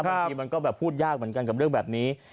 บางทีมันก็แบบพูดยากเหมือนกันกับเรื่องแบบนี้